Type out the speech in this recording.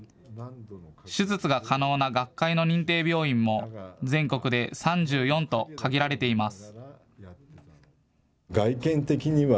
手術が可能な学会の認定病院も全国で３４と限られています。